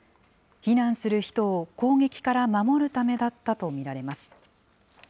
避難する人を攻撃から守るためだったと見られます。